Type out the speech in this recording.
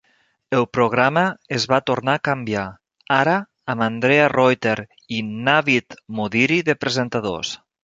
El programa es va tornar a canviar, ara amb Andrea Reuter i Navid Modiri de presentadors.